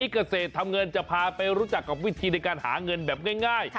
เกษตรทำเงินจะพาไปรู้จักกับวิธีในการหาเงินแบบง่าย